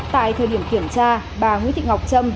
tại thời điểm kiểm tra bà nguyễn thị ngọc trâm